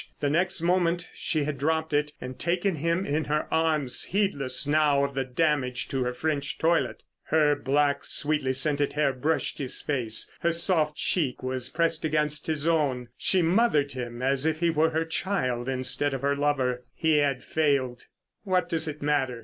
The next moment she had dropped it and taken him in her arms, heedless now of the damage to her French toilet. Her black, sweetly scented hair brushed his face, her soft cheek was pressed against his own. She mothered him as if he were her child instead of her lover. He had failed. "What does it matter?"